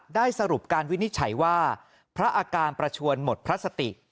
ได้สรุปการวินิจฉัยว่าพระอาการประชวนหมดพลาสติ